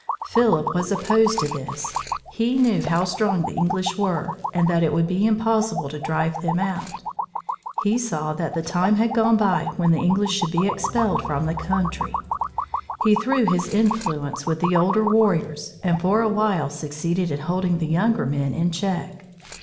Philip was opposed to this. He knew how strong the English were, and that it would be impossible to drive them out. He saw that the time had gone by when the English could be expelled from the country. He threw his influence with the older warriors, and for a while succeeded in holding the younger men in check.